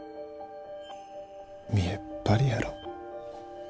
見えっ張りやろ。